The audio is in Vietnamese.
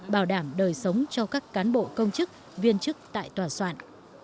bảo đảm đời sống cho các cán bộ công chức viên chức tại tòa soạn